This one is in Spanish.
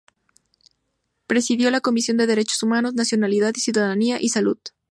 Presidió la Comisión de Derechos Humanos; Nacionalidad y Ciudadanía; y Salud.